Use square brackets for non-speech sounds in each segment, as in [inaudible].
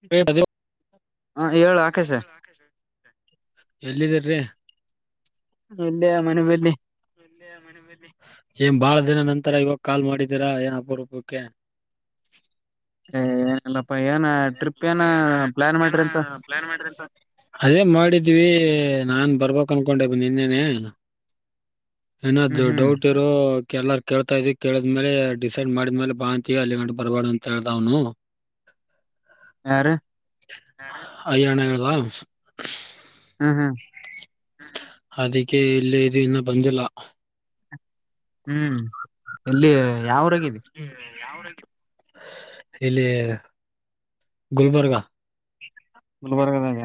ಹ ಎಲ್ಲಿದ್ದರೀ ಇಲ್ಲೆ ಮನಬೆಯಲ್ಲಿ ಏನ್ ಬಾಳ ದಿನ ನಂತರ ಇವಾಗ ಕಾಲ್ ಮಾಡಿದೀರಾ ಏನ್ ಅಪರಪಕ್ಕೆ ಹೇ ಟಪ್ ಪ್ಲಾನ್ ಮಾಡ್ರಿ ಅಂತ ಏನ್ ಅದೇ ಮಾಡಿದ್ವಿ ನಾನ್ ಬರ್ಬಕ್ ಅನ್ಕೊಂಡೆ ನಿನ್ನೇನೆ ಹ್ಮ್ ಏನಾದು ಹ್ಮ್ ಡೌಟ್ ಇರೋ ಕೆಲ್ಲರ್ ಕೇಳ್ತಾ ಇದ್ವಿ ಕೇಳಿದ್ಮೇಲೆ ಡಿಸೈಡ್ ಮಾಡಿದ್ಮೇಲೆ ಬಾ ಅಂತೀವಿ ಅಲ್ಲಿ ಗಂ ಬರಬಾರ್ದ ಅಂತ ಹೇಳ್ದ್ನು ಹ ಯಾರ ಹಯ್ಯಾಣದ. ಹಾ ಅದಕ್ಕೆ ಇಲಿ ಇದು ಇನ್ನ ಬಂದಿಲ್ಲ. ಹ್ಮ್ ಎಲ್ಲಿ ಯಾವ್ರ ಅ ಯಾವ [inaudible] ಇಲ್ಲಿ ಗುಲ್ಬರ್ಗ ಇಲ್ಬರ್ಗದಾಗ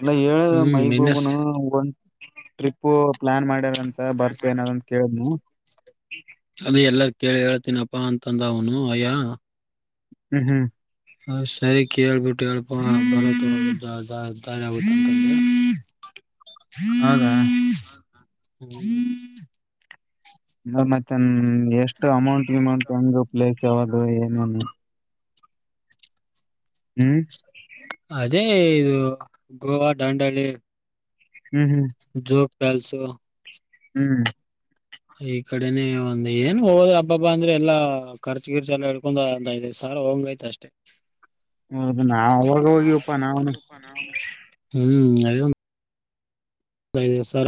ಇಲ್ಲ ಹೇಳ ಮೈ ಬಬುನು ಒಂದು ಟ್ರಿಪ್. ಪ್ಪು ಪ್ಲಾನ್ ಮಾಡ್ಯಾರಂತ ಬರ್ತ ಏನಾರಂತ ಕೇಳನು. ಅದ ಎಲ್ಲಾರ ಕೇಳಿ ಹೇಳ್ತೀನಪ್ಪಾ ಅಂತಂದ ಅವನು ಅಯ್ಯ. ಹ್ಮ್ ಹ್ಮ್ ಹ ಸರಿ ಕೇಳ್ಬಿಟ್ಟು ಹೇಳ್ಪೋ ಬ. [inaudible] ಹೌದಾ ಹ್ಮ್ [unintelligible] ನ ಮತ್ತನ್ ಎಷ್ಟು ಅಮೌಂಟ್ ಗಮೌಂಟ್ ಹೆಂಗು ಪ್ಲೇಸ್ ಯಾವದು ಏನನು. ಹ್ಮ್ ಅದೇ ಇದು ಗೋವಾ ದಾಂಡಳಿ ಹ್ಮ್ ಹ್ಮ್ ಕೆಲ್ಸು. ಹ್ಮ್. ಈ ಕಡೆನೆ ಒಂದ ಏನ್ ಹೋದ್ ಹಬ್ಬ ಹಬ್ಬ ಅಂದ್ರೆ ಎಲ್ಲ ಖರ್ಚು ಗಿರ್ಚ ಎಲ್ಲ ಹೇಡ್ಕೊಂಡು ಅಧ್ನೈದಿವ್ಸ ಅ ಹಂಗ ಆಯ್ತ ಅಷ್ಟೇ. ಹೌದು ನಾವ ಅವಾಗ ಹೋಗವಪ್ಪಾ ನಾವ ಹ್ಮ್ ಅಯ. ಸ್ರ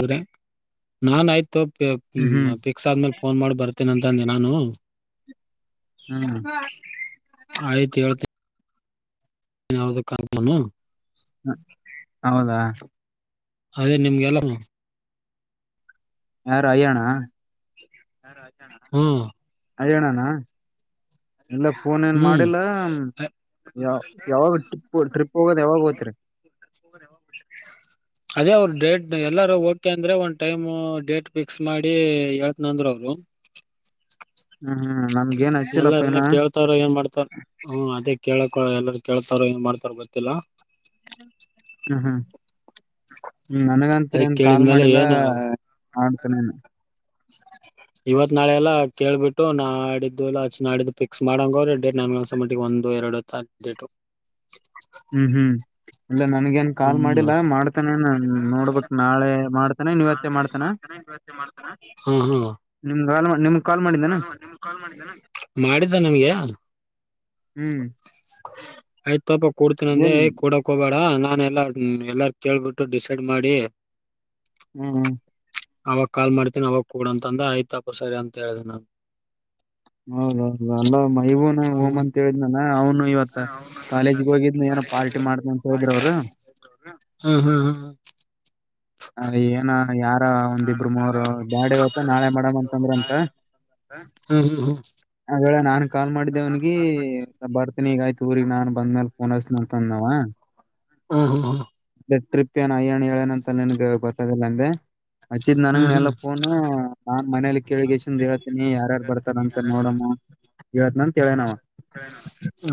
ನಾನ್ ಆಯ್ತು ಹ್ಮ್ ಪಿಕ್ಸ್ ಆದ್ಮೇಲೆ. ಫೋನ್ ಮಾಡಿ ಬರ್ತೀನ ಅಂತಂದೆ ನಾನು. ಹ್ಮ್ ಯಾವವುದಕ್ಕಾಗನು. ಹ ಹೌದಾ. ಅದೇ ನಿಮಗೆಲ್ಲ. ಹಾ ರಯಣ ಹಾ ಹಣಾನ ಇಲ್ಲ ಫೋನ್ ಏನ್ ಹ್ಮ್ ಮಾಡಿಲ್ಲ. ಯಾವ ಯಾವಾಗ ಟ್ರಿಪ್ ಟ್ರಿಪ್ ಹೋಗೋದ್ ಯಾವಾಗ ಓತ್ರಿ. [inaudible] ಅದೇ ಅವರು ಡೇಟ್ ಎಲ್ಲಾರು ಓಕೆ ಅಂದ್ರೆ ಒಂದ್ ಟೈಮ್ ಡೇಟ್ ಫಿಕ್ಸ್ ಮಾಡಿ ಹೇಳ್ತನ ಅಂದ್ರರು ಅವರು [inaudible] ಹ್ಮ್ ಹ್ಮ್ ನನ್ಗ ಏನ್ ಹಚ್ಚಿಲ್ಲಪ್ಪ ಏನ ಎಲ್ಲಾರ ಕೇಳ್ತಾರ ಏನ್ ಮಾಡ್ತಾರ ಹ್ಮ ಅದ. ಕೇಳಕ್ ಎಲ್ಲಾರ ಕೇಳ್ತಾರ ಏನ್ ಮಾಡ್ತಾರ ಗೊತ್ತಿಲ್ಲ. ಹ್ಮ್ ಹ್ಮ್ ಹ್ಮ್ ಅದ ನನಗಂತರಿ ಏನ್ ಕಾಲ್ ಕೇಳಿದ್ಮೇಲೆ ಮಾಡಿಲ್ಲ. ಏನು [unintelligible] ಇವತ್ ನಾಳೆಲ್ಲ ಕೇಳ್ಬಿಟ್ಟು ನಾ ಆಡಿದ್ದುಲ್ಲ ಅಚ್ ಆಡಿದ್ದು ಪಿಕ್ಸ್ ಮಾಡಂಗ ಅವ್ರೆ ಡೇಡ್ ನಾಕಸ ಮಟ್ಟಿಗೆ ಒಂದ. ಒಂದು ಎರಡು ತು ಹ್ಮ್ ಹ್ಮ್ ಇಲ್ಲ ನನ್ಗನ್ ಕಾಲ್ ಹ್ಮ್ ಮಾಡಿಲ್ಲ ಮಾಡ್ತಾನೇ ನೋಡ್ಬೇಕಕ್ ನಾಳೆ ಮಾಡ್ತಾನ ಇವತ್ತೇ ಮಾಡ್ತಾನ. ಹ್ಮ್ ಹ್ಮ್ ನಿಮ್ ಕಾಲ್ ನಿಮ್ಗ್ ಕಾಲ್ ಮಾಡಿದ್ದಾನ [inaudible] ಮಾಡಿದ್ದ ನನಗೆ. ಹ್ಮ್ ಆಯ್ತಪ ಕೂಡ್ತೀನಂದೆ ಏನ್ ಕೂಡಕ್ ಹೋಗಬೇಡ ನಾ. ಎಲ್ಲ ಎಲ್ಲಾರು ಕೇಳ್ಬಿಟ್ಟು ಡಿಸೈಡ್ ಮಾಡಿ. ಹ್ಮ್ ಹ್ಮ್ ಅವಾಗ ಕಾಲ್ ಮಾಡ್ತೀನಿ ಅವಾಗ ಕೂಡ ಅಂತ ಅಂದೆ ಆಯ್ತು ಹಾಕು ಸರಿ ಅಂತ ಹೇಳಿದೆ ನಾನು ಹೌದೌದು ಅಲ್ಲ ಮೈಬೂನು ಹೋಗು ಹ್ಮ್ ಅಂತ ಹೇಳಿದ್ನಾನ ಅವ್ನು ಇವತ್ತ ಕಾಲೇಜಿಗೆ ಹೋಗಿದ್ನ ಏನ ಪಾರ್ಟಿ ಮಾಡ್ತವಿ ಅಂತ ಹೇಳಿದ್ರು ಅವರು ಹ್ಮ್ ಹ್ಮ್ ಹ್ಮ್ ಹ್ಮ ಹ ಏನ ಯಾರ ಒಂದು ಇಬ್ಬರು ಮೂವರು ಬ್ಯಾಡ ಇವತ್ತು ನಾಳೆ ಮಾಡಮ್ ಅಂತಂದ್ರ ಅಂತ ಹ್ಮ್ ಹ್ಮ್ ಹ್ಮ ನಾನ್ ಕಾಲ್ ಮಾಡಿದ್ದೆವ್ನಿಗೆ ಬರ್ತನಿ ಈಗ ಆಯ್ತು ಊ್ರಗ್ ನಾನ್ ಬಂದ್ಮೇಲೆ ಫೋನ್ ಹಚ್ಚಿತೀನಿ ಅಂತ ಅಂದ ನಾವ ಹಾ ಹಾ ಹಾ ಟ್ರಿಪ್ ಏನಯ್ಯಣ್ಣ ಹೇಳನ ಅಂತ ನಿನಗೆ ಗೊತ್ತಾಗಲ ಅಂದೆ ಅಚ್ಚಿದ ನನ್ಗ ಹ್ಮ್ ಎಲ್ಲ ಹ್ಮ್ ಫೋನು ನಾನ್ ಮನೇಲಿ ಕೇಳಿಗೆಸನ್ ಹೇತೀನಿ ಯಾರ್ಯಾರ್ ಬರ್ತಾರ ಅಂತ ನೋಡಮ್ಮು ಇವತ್ ಅಂತ ಹೇಳಿದ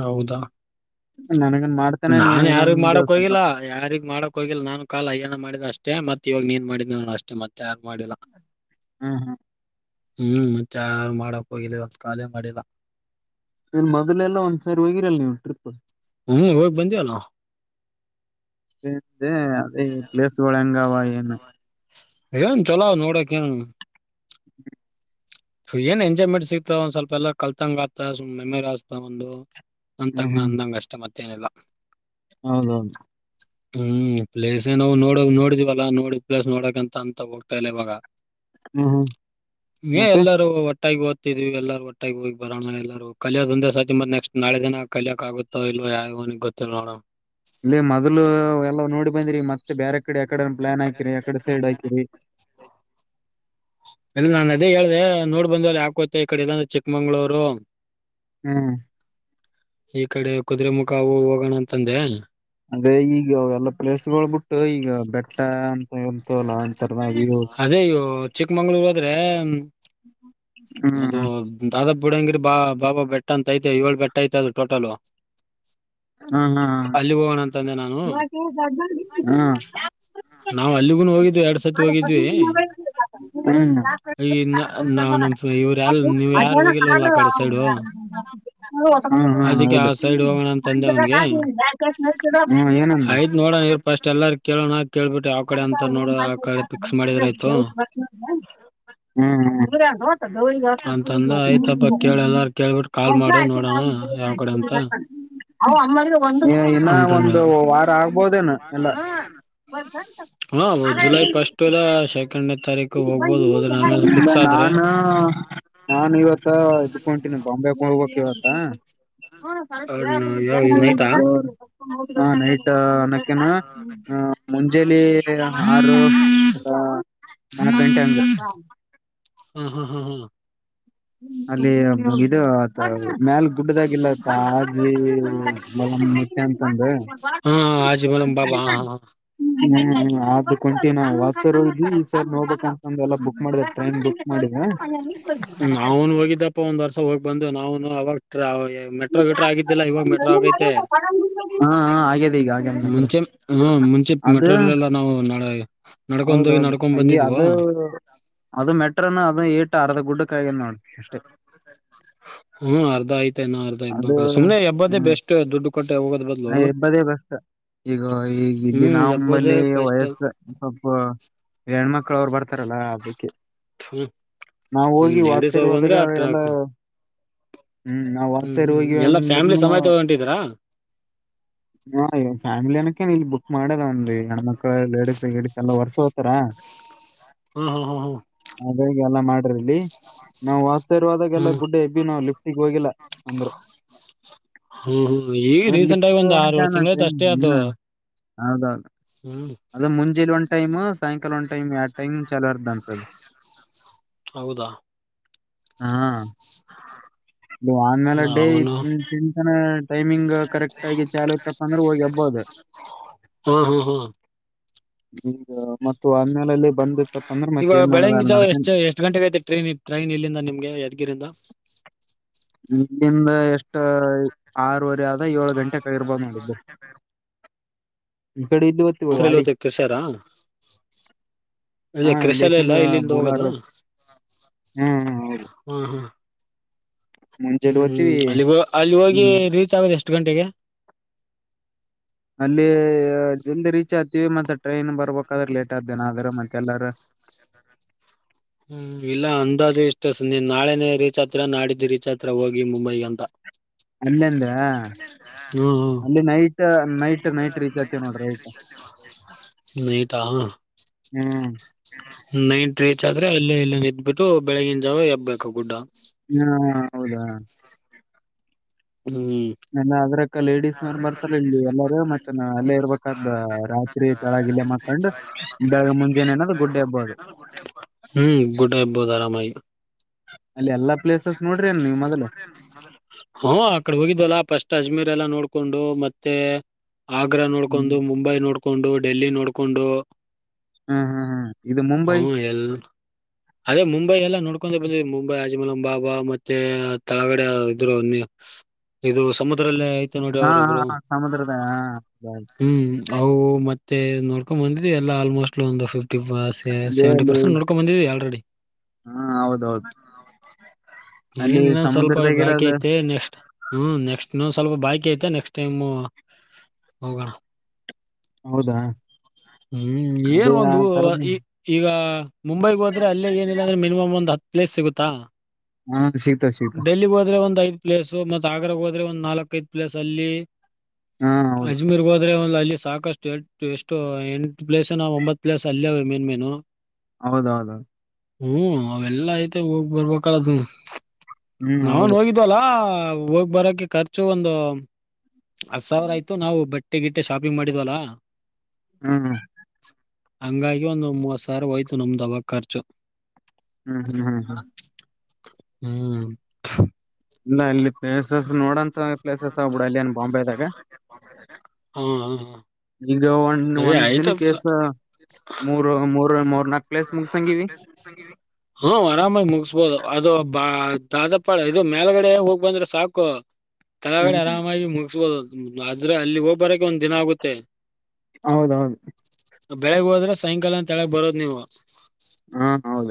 ಹೌದಾ ನನಗನ್ ಮಾಡ್ತಾನೆ ನೀ ನಾನ್ ಯಾರಿಗ್ ಇನ್ನೊಂದು ಮಾಡಕ್ ಸ್ವಲ್ಪ. ಹೋಗಿಲ್ಲ ಯಾರಿಗ್ ಮಾಡಕ್ ಹೋಗಿಲ್ಲ ನಾನು ಕಾಲ್ ಅಯ್ಯನ ಮಾಡಿದ ಅಷ್ಟೇ ಅಷ್ಟೇ ಮತ್ತೆ ಇವಾಗ ನೀನ್ ಮಾಡಿದ ನೋ ಅಷ್ಟೇ ಮತ್ತೆ ಯಾರು ಮಾಡಿಲ್ಲ ಹ್ಮ್ ಹ್ಮ್ ಹ್ಮ್ ಮತ್ ಮಾಡಕ್ ಹೋಗಿಲ್ಲ ಕಾಲೇ ಮಾಡಿಲ್ಲ ನೀನ್ ಮೊದಲೆಲ್ಲ ಒಂದ್ಸರಿ ಹೋಗಿರಲ್ ನೀವು ಟ್ರಿಪ್ ಹ್ಮ್ ಹೋಗ್ ಬಂದಿವಲ್ಲ ಪ್ಲೇಸ್ ಗಳು ಹೆಂಗಾವ ಏನು ಏನ್ ಚಲೋ ನೋಡಕ ಏನ್ [inaudible] ಏನ್ ಎಂಜಾಯ್ಮೆಂಟ್ ಸಿಗ್ತಂದ ಸ್ವಲ್ಪ ಎಲ್ಲ ಕಲ್ತಂಗ ಆಗ್ತ ಮೆಮರಿ ತಕೊಂಡಡು ನನ್ನ ಹ್ಮ್ ತಂಗ ಹ್ಮ್ ಅಂದಂಗ ಅಷ್ಟೆ ಮತ್ತೇನಿಲ್ಲ ಹೌದೌದು ಹ್ಮ್ ಪ್ಲೇಸ್ ನಾವು ನೋಡ ನೋಡಿದಿವಲ್ಲಾ ನೋಡ ಪ್ಲೇಸ್ ನೋಡಕ್ಂತ ಅಂತ ಹೋಗ್ತಾ ಇಲ್ಲ ಇವಾಗ ಹ್ಮ ಹೇ ಮತ್ತೆ ಎಲ್ಲಾರೂ ಒಟ್ಟಾಗಿ ಓದ್ತಿದ್ ಎಲ್ಲೂ ಒಟ್ಟಾಗಿ ಹೋಗಿಬರೋಣ ಎಲ್ಲರು ಕಲಿಯೋದು ಒಂದೇ ಸತಿ ಮತ್ ನೆಕ್ಸ್ಟ್ ನಾಳೆ ದಿನ ಕಲಿಯೋಕೆ ಆಗುತ್ತ ಇಲ್ವೋ ಯಾವನಿಗೆ ಗೊತ್ತು ಇಲ್ಲ ಮೊದ್ಲು ಎಲ್ಲಾ ನೋಡಿ ಬಂದ್ರಿ ಮತ್ತೆ ಬೇರೆ ಕಡೆ ಯಾಕಡೆ ಪ್ಲಾನ್ ಹಾಕಿರಿ ಯಾಕಡೆ ಸೈಡ್ ಹಾಕಿರಿ ಇಲ್ಲ ನಾನು ಅದೇ ಹೇಳಿದೆ ಮತ್ತೆ ನೋಡ್ ಬಂದ ಯಾಕೋತ ಈ ಕಡೆ ಎಲ್ಲಂದ್ರೆ ಚಿಕ್ಕಮಂಗಳೂರು ಹ್ಮ್ ಈ ಕಡೆ ಕುದುರೆೆಮುಖ ಅವು ಹೋಗೋಣ ಅಂತಂದೆ ಅಂದ್ರೆ ಈಗ ಎಲ್ಲ ಪ್ಲೇಸ್ಗಳು ಬಿಟ್ಟು ಈಗ ಬೆಟ್ಟ ಎಂತವಲ್ಲ ಅಂತರ್ನಾಗಿ ಹ ಅದೇ ಅಯ್ಯೋ ಚಿಕ್ಕಮಂಗಳೂರು ಹೋದ್ರೆ ಹ್ಮ್ ಅದು ಹ್ಮ್ ಬಾಬಾ ಬುಡೈಯನಗಿರಿ ಬಾಬಾ ಬೆಟ್ಟ ಅಂತ ಐತೆ ಏಳು ಬೆಟ್ಟ ಐತೆ ಅದು ಟೋಟಲ್ ಹ ಹಾ ಅಲ್ಲಿಗ್ ಹೋಗೋಣ ಅಂತಂದೆ ನಾನು ನಾವ್ ಅಲ್ಲಿಗುನು ಹೋಗಿದ್ವಿ ಎರಡ್ ಸತಿ ಹೋಗಿದ್ವಿ ಹ್ಮ್ ಈ ನಾವ್ ನಮ್ ಇವ್ರ ಯಾಲ್ ನೀವ್ ಯಾರು ಹೋಗಿಲ್ವಲ್ಲ ಆ ಕಡೆ ಸೈಡು [inaudible] [unintelligible] ಹ್ಮ ಹ್ಮ ಅದಕ್ಕೆ ಆ ಹೌದು ಸೈಡ್ ಹೋಗೋಣ ಅಂತ ಅಂದೆ ಅವ್ನಿಗೆ ಹ್ಮ ಏನಂದ ಆಯ್ತ್ ನೋಡೋಣ ಇವ್ರ ಫಸ್ಟ್ ಎಲ್ಲಾರು ಕೇಳೋಣ ಕೇಳ್ಬಿಟ್ಟು ಯಾವ ಕಡೆ ಅಂತ ನೋಡ ಆ ಕಡೆ ಫಿಕ್ಸ್ ಮಾಡಿದ್ರ ಆಯ್ತು ಹ್ಮ್ ಹ್ಮ [unintelligible] ಅಂತಂದ ಆಯ್ತಪ್ಪ ಕೇಳ ಎಲ್ಲಾರು ಕೇಳ್ಬಿಟ್ಟು ಕಾಲ್ ಮಾಡು ನೋಡೋಣ ಯಾವ ಕಡೆ ಅಂತ ಹೇ ಇಲ್ಲ ಅಂತಂದ ಒಂದು ವಾರ ಆಗ್ಬೋದೇನು ಎಲ್ಲ ಹಾ ಜುಲೈ ಫಸ್ಟ್ ಇಲ್ಲ ಸೆಕೆಂಡನೇ ತಾರೀಕು ಹೋಗ್ಬೋದು ಹೋದ್ರೆ ನನ್ ಇಲ್ಲ ಫಿಕ್ಸ್ ಆದ್ರೆ ನಾನು ನಾನ್ ಇವತ್ತ ಇದುಕ್ಕೆ ಹೊಂಟೀನಿ ಬಾಂಬೆ ಹೋಗಬೇಕು ಇವತ್ತು ಯಾವ ನೈಟಾ ಹಾ ನೈಟ್ ಮುಂಜಾಲೆ ಆರು ಒಂದ ನಾಕ್ ಗಂಟೆ ಅಂದ್ರು. ಹ್ಮ್ ಹ್ಮ್ ಹ್ಮ್ ಹ್ಮ್ ಅಲ್ಲಿ ಇದು. ಮ್ಯಾಲ ಗುಡ್ಡದಾಗಿಲ್ಲತ್ತ ಆಗ್ ಮತ್ಯ ಅಂತಂದ. ಹ ಆಜ ಮನ ಬಾಬಾ ಹಾ ಹಾ. ಹ್ಮ್ ಹ್ಮ್. ಕುಂಟ ನಾವು ವಾತ್ಸರ್ ಈ ಸರ್ ನೋಡ್ ಬೇಕಂತಂದ ಎಲ್ಲ ಬುಕ್ ಮಾಡಿದೆ ಟ್ರೈನ್ ಬುಕ್ ಮಾಡಿದೆ. ಅವನು ಹೋಗಿದ್ದಪ್ಪ ಒಂದ್ ವರ್ಷ ಹೋಗಿ ಬಂದು ನಾನು ಅವಾಗ್ ಮೆಟ್ರೋ ಗೆಟ್ರೋ ಆಗಿದ್ದಿಲ್ಲ ಇವಾಗ ಮೆಟ್ರೋ ಆಗೈತೆ ಹಾ ಹಾ ಆಗ್ಯದ ಈಗ ಆಗ್ಯದ ಮೆಟ್ರೋ ಮುಂಚೆ ಹ್ಮ ಮುಂಚೆ ಅದು ಮೆಟ್ರರಿಯಲ್ ಎಲ್ಲ ನಾವು ನಾಳೆ. ನಡ್ಕೊಂಡ್ ಹೋಗಿ ಹೌದೌದು ನಡ್ಕೊಂಡ್ ಈ ಬಂದಿದ್ವಾ ಅದು. ಅದು ಮೆಟ್ರ ಅದ ಏಟ ಅರ್ದ ಗುಡ್ಡ ಕಾಯಿಏನ್ ನೋಡು. ಹ್ಮ್ ಅರ್ಧ ಐತೆ ನಾ ಅರ್ಧ ಇಬ್ಬಾಗ ಸುಮನೆ ಹಬ್ಬದೇ ಬೆಸ್ಟ್ ದುಡ್ಡು ಕೊಟ್ಟೆ ಹೋಗೋದ್ ಅ ಬದ್ಲು ಹೆಬ್ಬದೇ ಬೆಸ್ಟ್. ಈಗ ಈ ಇಲ್ಲಿ ಹ್ಮ್ ಎಬ್ಬದೇ ನಾವಂಬಲ್ಲಿ ಬೆಸ್ಟ್ ವಯಸ್ಸ ಸ್ವಲ್ಪ ಹೆಣ್ಮಕ್. ತಾರಲ್ಲ ಅದಕ್ಕೆ ಹ್ಮ್ ನಾವ ಹ್ಮ್ ಹೋಗಿ ಲೇಡೀಸ್ ಹೋಗ್ ಬಂದ್ರೆ ವಾಪಸರ್ದಾಗ ಅ ಎಲ್ಲ. ಹ್ಮ್ ನಾವ್ ಹ್ಮ್ ವಸರ್ ಹ್ಮ್ ಹೋಗಿವ ಎಲ್ಲಾ ಫ್ಯಾಮಿಲಿ ಅಂದ್ರನು. ಸಮೇತ ಹೊಂಟಿದ್ರಾ ಹ ಫ್ಯಾಮಿಲಿ ಅನಕೇನ್ ಇಲ್ಲಿ ಬುಕ್ ಮಾಡದ ಒಂದು ಹೆಣ್ಮಕ್ಳ ಲೇಡಿಸಸ್ ಗೇಡೀಸ್ ಎಲ್ಲ ವರ್ಸ ಹೋತಾರ. ಹ್ಮ್ ಹ್ಮ ಹ್ಮ್ ಅದೆ ಹೀಗ್ ಎಲ್ಲ ಮಾಡರಿ ಇಲ್ಲಿ. ನಾವು ಆತ್ಚರ್ಯವಾದಾಗೆಲ್ಲ ಹ್ಮ್ ಹ್ಮ್ ಗುಡ್ಡೆ ಎಬ್ಬಿ ನ ಲಿಫ್ಟಿಗೆ ಹೋಗಿಲ್ಲ ಅಂದ್ರ. ಹ್ಮ್ ಹ್ಮ್ ಈಗ ಆದ್ರೆ ರೀಸೆಂಟ್ ಆಗಿ ಲಿಫ್ಟ್ ಒಂದ್ ಆರ್ ಏಳು ತಿಂಗಳಾಯ್ತು ಅಷ್ಟೇ ಅದು [unintelligible] ಹೌದೌದು ಹ್ಮ್ ಅದು ಮುಂಜೆಲ್ ಒಂಟ ಟೈಮ್ ಸಾಯಂಕಾಲ ಒಂದು ಮುಂಜೆನ್ ಒನ್ ಟೈಮ್ ಸಾಯಂಕಾಲ ಒನ್ ಟೈಮ್ ಹೌದ. ಹಾ ನೀವು ಆಮೇಲೆ ಡೇ ನಾವುನು ತಿಂತನ ಟೈಮಿಂಗ್ ಕರೆಕ್ಟ್ ಆಗಿ ಚಾಲ ತಪ್ಪಂದ್ರೆ ಹೋಗಿ ಹಬ್ಬೋದ. [inaudible] ಹಾ ಹಾ ಹಾ ಈಗ ಮತ್ ಒನ್ ಈಗ ಬೆಳಗ್ಂಗಗೆ ಜ ನಡ್ಕೊಂಡ್ ಎಷ್ಟ ಎಷ್ಟ್ ಗಂಟೆಗೆ ಐತಿ ಟ್ರೈನ್ ಟ್ರೈನ್ ಇಲ್ಲಿಂದ ನಿಮ್ಗೆ ಯದ್ಗಿರಿಂದ. ಇಲ್ಲಿಂದ ಎಷ್ಟು. ಆರೂವರೆ ಏಳು ಗಂಟೆ ಇರ್ಬೋದು ನೋಡ್ ಇಲ್ಲಿ. ಈ ಕಡೆ ಹೊತ್ತು ವಾಡಿ. ಕೃಷಾರಾ ಅದೇ ಹಾ ಕ್ರಿಶಾಲ ಇಲ್ಲ ಇಲ್ಲೇಶಂಗ ಇಲ್ಲಿಂದ ಬೂಲಾರ. ಹೋಗೋದು ಹ್ಮ ಹ ಅವು. ಹಾ ಹಾ ಹ್ಮ್ ಅಲ್ಲಿ ಅಲ್ಲಿ ಹೋಗಿ ಹ್ಮ್ ರೀಚ್ ಆಗದು ಎಷ್ಟು ಗಂಟೆಗೆ. ಅಲ್ಲಿ ಜಲ್ದಿ ರೀಚ್ ಆಗ್ತೀವಿ ಮತ್ತೆ ಟ್ರೈನ್ ಬರ್ಬೇಕಾದ್ರೆ ಲೇಟ್ ಆದ್ದೇನ ಆದ್ರ ಮತ್ತೆ ಎಲ್ಲಾರ. ಹ್ಮ್ ಇಲ್ಲ ಅಂದಾಜೆ ಇಷ್ಟ ಸಂಜೆ ನಾಳೆನೇ. ರೀಚ್ ಆಗ್ತೀರಾ ನಾಡಿದ್ದು ರೀಚ್ ಆಗ್ತೀರಾ ಹೋಗಿ ಮುಂಬೈ ಅಂತ. ಅಲ್ಲಿಂದ ಹ್ಮ ಹಾ. ಅಲ್ಲಿ ನೈಟ್ ನೈಟ್ ನೈಟ್ ರೀಚ್ ಆಗ್ತೇವಿ ನೋಡ್ರಿ ರೈಟ್ [unintelligible] ನೈಟ್ ಹಾ. ಹ್ಮ್ ನೈಟ್ ರೀಚ್ ಆದ್ರೆ ಅಲ್ಲೇ ಇಲ್ಲ ಇಡ್ಬಿಟ್ಟು ಬೆಳಗಿನ ಜಾವ ಎಬ್ಬಬೇಕು ಗುಡ್ಡ. ಹ ಹೌದಾ. ಹ್ಮ್ ಇಲ್ಲ ಅದ್ರ ಅಕ್ಕ ಲೇಡಿಸಸ್ನನ್ ಬರ್ತಲ್ಲ ಇಲ್ಲಿ ಎಲ್ಲಾರ ಮತ್ತೆ ಅಲ್ಲೇ ಇರ್ಬೇಕಾದ ರಾತ್ರಿ ಕೆಳಗೆ ಮಾಕೊಂಡ್. ಬೇಗ ಮುಂಜಾನೇ ಅನ್ನೋದು ಗುಡ್ಡೆ ಹಬ್ಬೋದು. ಆರಾಮಾಯ. ಅಲ್ಲಿ ಎಲ್ಲ. [unintelligible] ಹ ಆಕಡ ಹೋಗಿದ್ವಲ್ಲ ಫಸ್ಟ್ ಅಜ್ಮೀರ್. ಲ್ಲ ನೋಡ್ಕೊಂಡು ಮತ್ತೆ ಆಗ್ರಾ ಹ್ಮ್ ನೋಡ್ಕೊಂಡು ಮುಂಬೈ ನೋಡ್ಕೊಂಡು ಡೆಲ್ಲಿ ನೋಡ್ಕೊಂಡು ಹೂ ಹೂ ಹೂ ಇದು ಮುಂಬೈ ಹ್ಮ ಎಲ್ಲ ಅದೇ ಮುಂಬೈ ಎಲ್ಲ ನೋಡ್ಕೊಂಡ ಬಂದ ಮುೈ ಿಮಲಂ ಬಾಬಾ ಮತ್ತೆ ತಳಗಡೆ ಇದರು ಇದು ಸಮ ಅದರಲ್ಲೇ ಆಯ್ತು ಹಾ ನೋಡಿ್ರ ಹಾ ಅವರೊಬ್ರು ಹಾ, ಸಮುದ್ರದ ಹಾ ಹೌದೌದು. ಹೂ ಅವು ಮ ಮತ್ತ ನೋಕೊಂಡ್ ಬಂದ್ವಿ ಎಲ್ಲ ಆಲ್ಮೋಸ್ಟ್ ಒಂದು ಫಿಫ್ಟಿ ಅದೇ ಸೆವೆಂಟಿ ಅಲ್ಲಿ ಪರ್ಸೆಂಟ್ ನೋಡ್ೊಂಡ್ ಬಂದ್ವಿ ಆಲ್ರೆಡಿ ಹಾ ಹೌದೌದು ಅಲ್ಲಿ ಏನ್ನ್ನ ಸ್ವಲ್ಪ ಬಾಕಿ ಸಮುದ್ರದಾಗಿರೋದು ಐತೆ ನೆಕ್ಸ್ಟ್ ಹೂ ನೆಕ್ಸ್ಟ್ ಇನ್ನೊಂದ್ ಸ್ವಲ್ಪ ಬಾಯಕಿ ಐತೆ ನೆಕ್ಸ್ಟ್ ಟೈಮ್ ಹೋಗೋಣ ಹೌದಾ ಹೂ ಅದೇ ಏನ್ ಆ ಒಂದು ತರದ ಈ ಈಗ ಮುಂಬೈಗ್ ಹೋದ್ರೆ ಅಲ್ಲೇ ಏನಿಲ್ಲ ಅಂದ್ರೆ ಮಿನಿಮಮ್ ಒಂದ್ ಹತ್ ಪ್ಲೇಸ್ ಸಿಗುತ್ತಾ ಹಾ ಸಿಗ್ತಾವ ಸಿಗ್ತಾವ ಡೆಲ್ಲಿ ಹೋದ್ರೆ ಒಂದ್ ಐದ್ ಪ್ಲೇಸ್ ಮ ಆಗ್ರಾಗ ಹೋದ್ರೆ ಒಂದು ನಾಲ್ಕ ಐದು ಪ್ಲೇಸ್ ಅಲ್ಲಿ ಹಾ ಹೌದು ಅಜ್ಮೀರ್ಗೆ ಹೋದ್ರೆ ಒ ಅಲ್ಲಿ ಇಲ್ಲಿ ಸಾಕಷ್ಟು ಎು ಎಷ್ಟು ಎಂಟ ಪ್ಲೇಸ್ ನ ಒಂಬತ್ ಪ್ಲೇಸ್ ಅಲ್ಲಯ ಮೀನ್ ಮೀನು ಹೌದೌದೌದು ಹೂ ಅವೆಲ್ಲ ಐತೆ ಹೋಗಿ ಬರ್ಬೇಕಲ್ಲ ಹ್ಮ್ ನಾವನ್ ಹೌದು ಹೋಗಿದ್ದವಲ್ಲಾ ಹೋಗ್ ಬರೋಕ ಖರ್ಚು ಒಂದುರ್ ಸಾವಿರ ಆಯ್ತು ನಾವು ಬಟ್ಟ ಗಟ್ಟೆ ಗಿಟ್ಟೆ ಶಾಪಿಂಗ್ ಮಾಡಿದ್ಲ್ಲಾ ಹೂ ಹಂಗಾಗಿ ಒಂದು ಮೂವತ್ ಸಾವಿ ಹೋಯ್ತು ನಮ್ದವ ಖರ್ಚು ಹೂ ಹೂ ಹೂ ಹೂ ಹೂ ಇಲ್ಲ ಇಲ್ಲಿ ಪ್ಲೇಸಸ್ ನೋಡಂಂತ ಪ್ಲೇಸಸ್ ಆಗ್ಬಿಡ ಅಲ್ಲಿ ನ್ ಬಾಂಬೆದಾಗ ಹ ಈಗ ಒ ಅದೇ ಒಂದ್ ಆಯ್ತ ದಿನ ಕೇಸ್ ಮೂರ್ ಮೂರ್ ಮೂರ್ ನಾಕು ಕ್ಲೇಸ್ ಹೂ ಆರಾಮಾಗಿ ಮುಗಿಸಬೋದು ಅದು ಬ ದಾದಾಪ್ಪಾಳ ಇದು ಮೇಲ್ಗಡೆ ಹೋಗ ಬಂದ್ರೆ ಸಾಕು ತಳಗಣ ಹ್ಮ್ ಆರಾಮಾಗಿ ಮುಗಿಸಬೋದು ಅದ್ರೆ ಅಲ್ಲಿ ಹೋಗ್ ಬರಕ್ಕೆ ಒಂದ ದಿನ ಆಗುತ್ತೆ ಹೌದೌದು ಬೆಳಗ್ ಹೋದ್ರೆ ಸಾಯಂಕಾಲ ತಳ ಬರೋದು ಧನ್ಯವಾದ ಹಾ ಹೌದು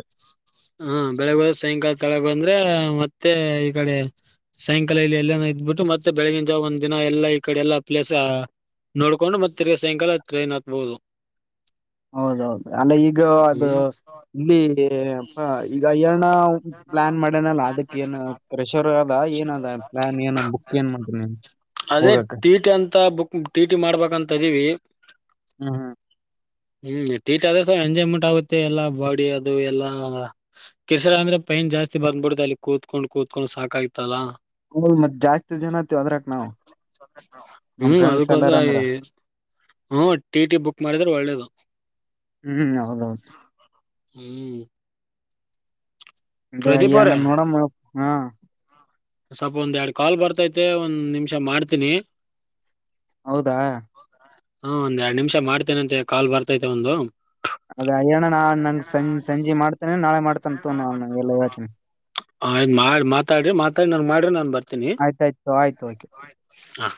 ಹಾ ಬೆಳಗ್ ಸಾಯಂಕಾಲ ತಳ ಬಂದ್ರೆ ಮತ್ತೆ ಈ ಕಡೆ ಸಾಯಂಕಾಲ ಇಲ್ಲಿ ಎಲ್ಲನ ಇದ್ಬಿಟ್ಟು ಮತ್ತೆ ಬೆಳಗಿನ ಜಾವ ಒಂದ್ ದಿನ ಎಲ್ಲಾ ಈ ಕಡೆ ಎಲ್ಲಾ ಪ್ಲೇಸ್ ನೋಡ್ಕೊಂಡು ಮತ್ತ ತಿರ್ಗಿ ಸಾಯಂಕಾಲ ಟ್ರೈನ್ ಹತ್ಬಹುದು ಹೌದೌದು ಅಲ್ಲ ಈಗ ಅದು ಹ್ಮ್ ಇಲ್ಲಿ ಪ್ಪ ಈಗ ನ ಪ್ಲಾನ್ ಮಾಡೇನಲ್ಲ ಅದಕ್ಕ ಏನ್ ಕ್ರೆಷರ್ ಅದ ಏನದ ನಾ ನೀನು ಬುಕ್ ಏನ್ ಮಾಡಿನಿ ನೀನ್ ಅದೇ ಹೋಗಕ ಟಿ ಟಿ ಅಂತ ಬುಕ್ ಟಿ ಟಿ ಮಾಡ್ಬೇಕಂತ ಆದಿವಿ ಹ ಹಾ ಟೀಟ ಆದ್ರೆ ಸ ಎಂಜಾಯ್ಮೆಂಟ್ ಆಗುತ್ತೆ ಎಲ್ಲಾ ಬಾಡಿ ಅದು ಎಲ್ಲಾ ಹ ತಿರ್ಸರ ಅಂದ್ರೆ ಪೈನ್ ಜಾಸ್ತಿ ಬಂದ್ಬಿಡ್ದ ಅಲ್ಲಿ ಕೂತ್ಕೊಂಡ್ ಕೂತ್ಕೊಂಡ್ ಸಾಕಾಗಿತಲ್ಲಾ ಹೌದ್ ಮತ್ ಜಾಸ್ತಿ ಜನ ಆತಿವಿ ಅದ್ರಕ್ ನಾವು ಹೂ ನಮ್ ಫ್ರೆಂಡ್ಸ್ ಎಲ್ಲಾರ ಅದುಕೋಸ್ಕರ ಅಂದ್ರ ಹೂ ಟಿ ಟಿ ಬುಕ್ ಮಾಡಿದ್ರೆ ಒಳ್ಳೇದು ಹೂ ಹೌದೌದು ಹೂ ಅ ಅಯ್ಯಣ್ಣ ಅವ್ರೇ ನೋಡ ಹಾ ಸ್ವಲ್ಪ ಒಂದ್ ಎರಡ್ ಕಾಲ್ ಬರ್ತೈತೆ ಒಂದ್ ನಿಮಿಷ ಮಾಡ್ತೀನಿ ಹೌದಾ ಹಾ ಒಂದ್ ಎರಡ್ ನಿಮಿಷ ಮಾಡ್ತೇನೆ ಅಂತೆ ಕಾಲ್ ಬರ್ತೈತೆ ಒಂದು ಅದ ಅಯ್ಯಣ್ಣ ನಾ ನಂ್ ಸಂಜ ಸಂಜೆ ಮಾಡ್ತೇನೆ ನಾಳೆ ಮಾಡ್ತಂತ ನ ಎಲ್ಲ ಹೇಳ್ತೇನಿ ಹ್್ ಮಾಡಿ ಮಾತಾಡ್ರಿ ಮಾತಾಡಿ ನನ್ ಮಾಡ್ರ ನನ್ ಬರ ಆಯ್ತ ಆಾಯ್ತು ಆಯ್ತು ಓಕೆ ಹಾ.